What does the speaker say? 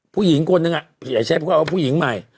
พี่หญิงคนนั้นอ่ะแต่อย่าแช้ปว่างว่าผู้หญิงใหม่